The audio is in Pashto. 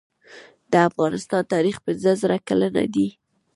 د افغانستان تاریخ پنځه زره کلن دی